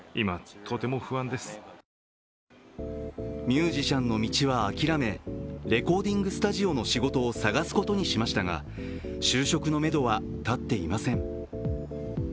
ミュージシャンの道は諦めレコーディングスタジオの仕事を探すことにしましたが、就職のめどは立っていません。